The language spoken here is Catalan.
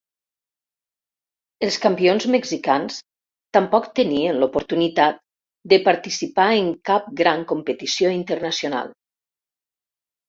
Els campions mexicans tampoc tenien l'oportunitat de participar en cap gran competició internacional.